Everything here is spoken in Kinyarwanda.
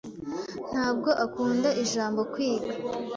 Ntabwo akunda ijambo "kwiga."